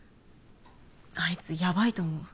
あいつヤバいと思う。